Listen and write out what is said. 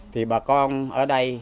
thì bà con ở đây